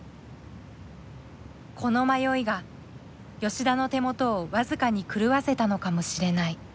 この迷いが吉田の手元を僅かに狂わせたのかもしれない。